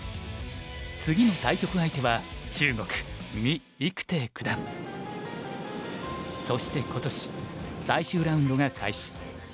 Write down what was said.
次の対局相手は中国廷九段そして今年最終ラウンドが開始。